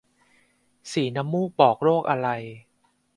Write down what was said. สีน้ำมูกบอกโรคอะไร